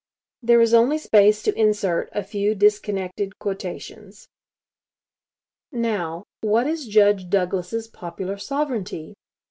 There is only space to insert a few disconnected quotations: Now, what is Judge Douglas's popular sovereignty?